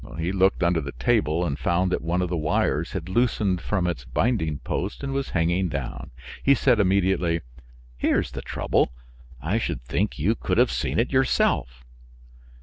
He looked under the table and found that one of the wires had loosened from its binding post and was hanging down. He said immediately, "Here's the trouble; I should think you could have seen it yourself."